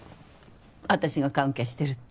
私が関係してるって。